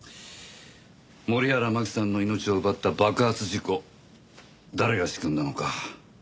森原真希さんの命を奪った爆発事故誰が仕組んだのかやっとわかったよ。